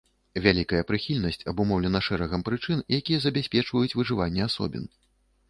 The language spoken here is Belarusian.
Вялікая прыхільнасць абумоўлена шэрагам прычын, якія забяспечваюць выжыванне асобін.